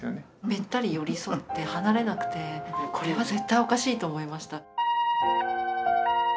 べったり寄り添って離れなくてこれは絶対おかしいと思いました。